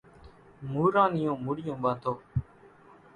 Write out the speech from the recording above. موران نِيون مُڙِيون ٻانڌو۔